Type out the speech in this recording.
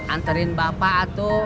anterin bapak tuh